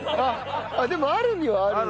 でもあるにはあるのか。